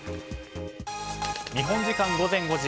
日本時間午前５時。